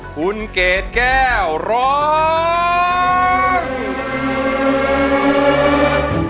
คุณเกดแก้วร้อง